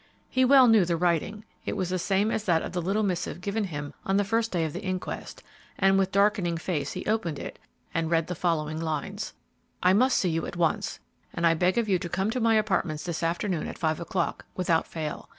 He well knew the writing; it was the same as that of the little missive given him on the first day of the inquest, and with darkening face he opened it and read the following lines: "I must see you at once, and I beg of you to come to my apartments this afternoon at five o'clock, without fail.